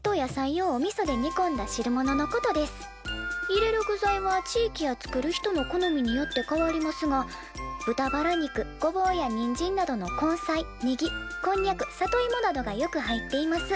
入れる具材は地域や作る人の好みによって変わりますが豚バラ肉ごぼうやにんじんなどの根菜ねぎこんにゃく里いもなどがよく入っています」。